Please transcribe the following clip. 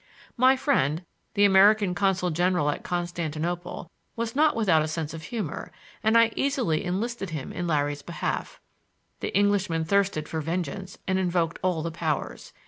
My friend, the American consul general at Constantinople, was not without a sense of humor, and I easily enlisted him in Larry's behalf. The Englishman thirsted for vengeance and invoked all the powers.